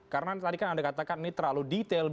karena tadi kan anda katakan ini terlalu detail